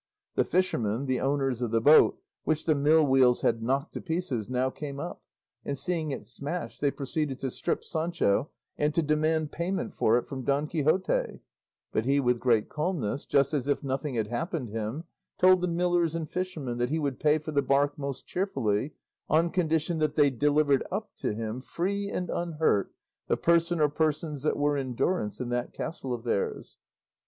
The fishermen, the owners of the boat, which the mill wheels had knocked to pieces, now came up, and seeing it smashed they proceeded to strip Sancho and to demand payment for it from Don Quixote; but he with great calmness, just as if nothing had happened him, told the millers and fishermen that he would pay for the bark most cheerfully, on condition that they delivered up to him, free and unhurt, the person or persons that were in durance in that castle of theirs.